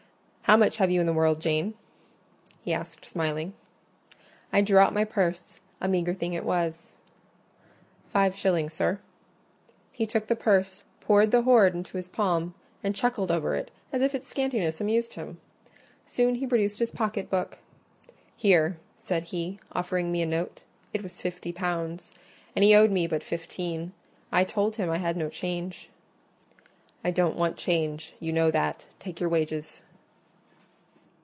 How much have you in the world, Jane?" he asked, smiling. I drew out my purse; a meagre thing it was. "Five shillings, sir." He took the purse, poured the hoard into his palm, and chuckled over it as if its scantiness amused him. Soon he produced his pocket book: "Here," said he, offering me a note; it was fifty pounds, and he owed me but fifteen. I told him I had no change. "I don't want change; you know that. Take your wages."